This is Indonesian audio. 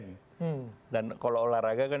jadi saya tidak akan menangani di dalam event